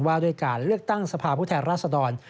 ว่าด้วยการเลือกตั้งสภาพุทธรรษฎร